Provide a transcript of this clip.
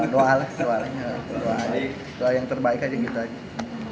doa lah suaranya doa yang terbaik aja gitu aja